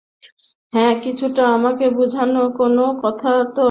হ্যাঁ, কিছুটা, আমাকে বুঝা কোন কথাটা এত মজার?